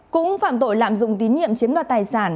cũng phạm tội lạm dụng tín nhiệm chiếm đoạt tài sản